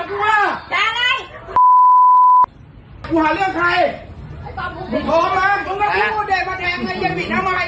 เดี๋ยวแกไปที่นั่งภาพนะแล้วไปทำไมแล้วไปทำไมไปทำไม